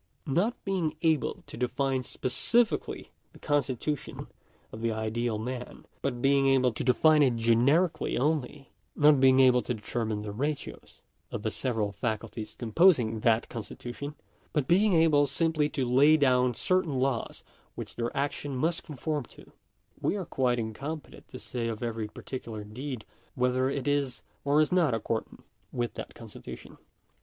Not being able to define specifically the constitution of the ideal man, but being able to define it genetically only — not being able to determine the ratios of the several faculties composing that constitution, but being able simply to lay down certain laws which their action must conform to— we are quite incompetent to say of every particular deed whether it is or is not accordant with that con stitution.